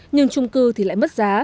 nhưng trung cư thì lại mất giá